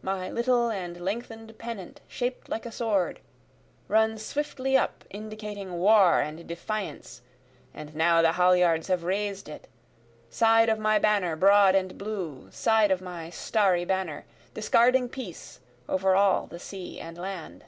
my little and lengthen'd pennant shaped like a sword, Runs swiftly up indicating war and defiance and now the halyards have rais'd it, Side of my banner broad and blue, side of my starry banner, Discarding peace over all the sea and land.